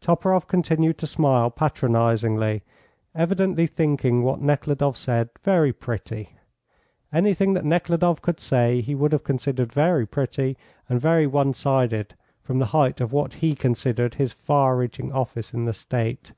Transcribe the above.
Toporoff continued to smile patronisingly, evidently thinking what Nekhludoff said very pretty. Anything that Nekhludoff could say he would have considered very pretty and very one sided, from the height of what he considered his far reaching office in the State.